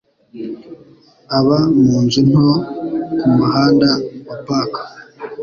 aba mu nzu nto ku Muhanda wa Park.